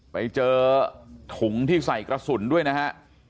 ไปเจอถุงที่ใส่กระสุนด้วยนะฮะ